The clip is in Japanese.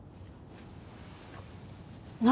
何？